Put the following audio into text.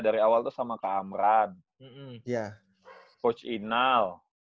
dari awal itu sama kak amran coach inal